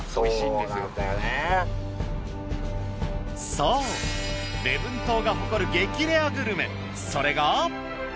そう礼文島が誇る激レアグルメそれが。